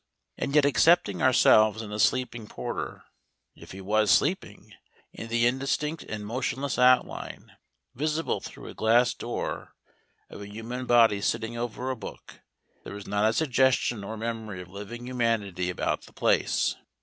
And yet excepting ourselves and the sleeping porter if he was sleeping and the indistinct and motionless outline, visible through a glass door, of a human body sitting over a book, there was not a suggestion or memory of living humanity about the place.